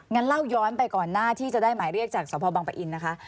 งั้นเล่าย้อนไปก่อนหน้าที่จะได้หมายเรียกจากสพบังปะอินนะคะ